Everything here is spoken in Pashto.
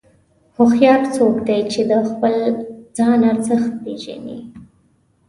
هوښیار څوک دی چې د خپل ځان ارزښت پېژني.